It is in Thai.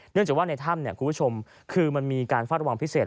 เนื่องจากว่าในถ้ำคุณผู้ชมคือมันมีการฟัดวางพิเศษ